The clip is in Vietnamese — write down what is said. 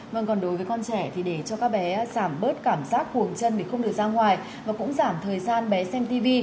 vâng còn đối với con trẻ thì để cho các bé giảm bớt cảm giác huồng chân thì không được ra ngoài và cũng giảm thời gian bé xem tv